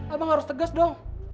abang harus tegas dong